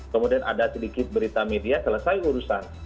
kemudian ada sedikit berita media selesai urusan